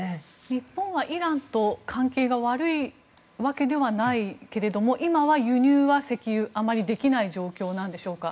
日本はイランと関係が悪いわけではないけれども今は輸入は石油あまりできない状況なんでしょうか。